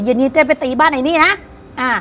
เย็นจะไปตีบ้านไอ้นี่นะ